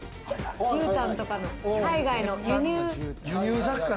じゅうたんとかの海外とかの輸入。